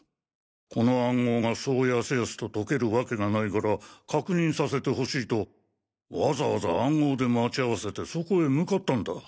この暗号がそうやすやすと解けるわけがないから確認させて欲しいとわざわざ暗号で待ち合わせてそこへ向かったんだ。